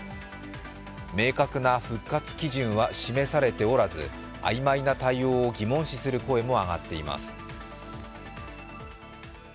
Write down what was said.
明確な復活基準は示されておらずあいまいな対応を疑問視する声も上がっています。